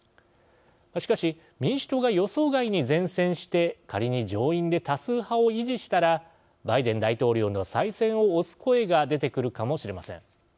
しかし民主党が予想外に善戦して仮に上院で多数派を維持したらバイデン大統領の再選を推す声が出てくるかもしれません。